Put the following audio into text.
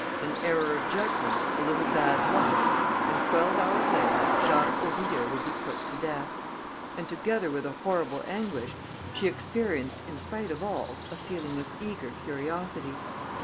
An error of judgment, a little bad luck ... and, twelve hours later, Jacques Aubrieux would be put to death. And together with a horrible anguish she experienced, in spite of all, a feeling of eager curiosity.